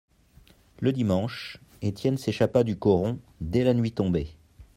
Le dimanche, Étienne s'échappa du coron, dès la nuit tombée.